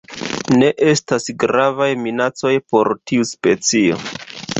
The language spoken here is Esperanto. Ne estas gravaj minacoj por tiu specio.